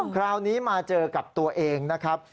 คราวนี้มาเจอกับตัวเองนะครับ